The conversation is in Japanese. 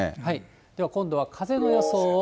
では今度はかぜの予想を。